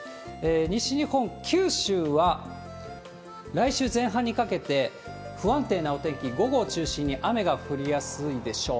西日本、九州は来週前半にかけて、不安定なお天気、午後を中心に雨が降りやすいでしょう。